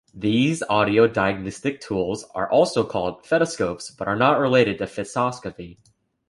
These audio diagnostic tools are also called "fetoscopes" but are not related to fetoscopy.